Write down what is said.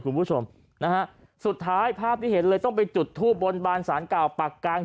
คุณผู้ชมนะฮะสุดท้ายภาพที่เห็นเลยต้องไปจุดทูบบนบานสารเก่าปากกาง